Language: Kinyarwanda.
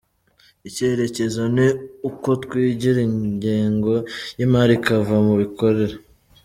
Icyerecyezo ni uko twigira, ingengo y’imari ikava mu bikorera.